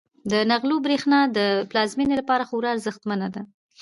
د نغلو برښنا د پلازمینې لپاره خورا ارزښتمنه ده.